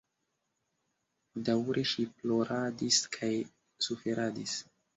Daŭre ŝi ploradis kaj suferadis.